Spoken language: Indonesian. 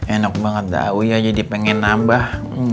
enak banget dah awya jadi pengen nambah